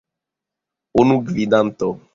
Unu gvidanto!